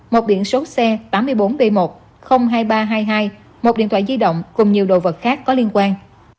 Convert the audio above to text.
một biển số xe tám mươi bốn b một hai nghìn ba trăm hai mươi hai một điện thoại di động cùng nhiều đồ vật khác có liên quan